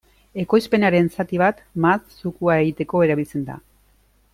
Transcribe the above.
Ekoizpenaren zati bat mahats zukua egiteko erabiltzen da.